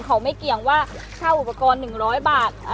เขาไม่เกี่ยงว่าค่าอุปกรณ์๑๐๐บาท